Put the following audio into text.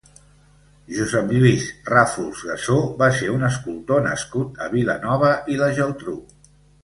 Josep Lluís Ràfols Gassó va ser un escultor nascut a Vilanova i la Geltrú.